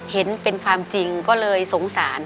เห็นเป็นความจริงก็เลยสงสาร